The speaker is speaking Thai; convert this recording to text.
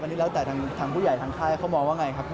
อันนี้แล้วแต่ทางผู้ใหญ่ทางค่ายเขามองว่าไงครับ